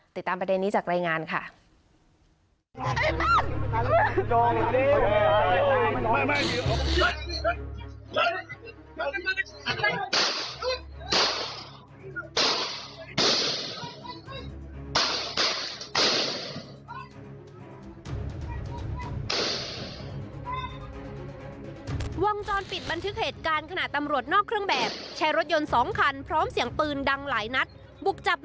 ติดตามประเด็นนี้จากรายงานค่ะ